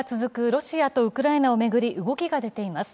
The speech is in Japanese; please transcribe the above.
ロシアとウクライナを巡り動きが出ています。